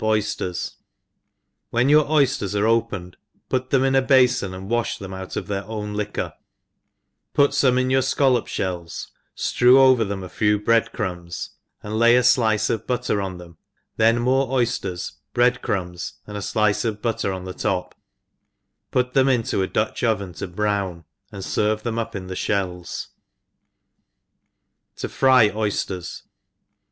Oysters, WHEN your oyfters arc opened, put then; in a bafon, and wafh them out of their own liquor, put fome \t\ your fcollop fliells, ftrcw over them a few bread crumbs, and lay a flice of butter on them, then more oyfters, bread crumbs, and a flice bf butter on the top, put them into a Dutch oven to brown, and ferve |hem up in the ihells, Jo fry Oysters.